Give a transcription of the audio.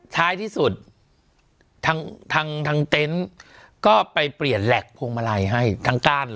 ท้ายที่สุดทางเต็นต์ก็ไปเปลี่ยนแหลกพวงมาลัยให้ทั้งก้านเลย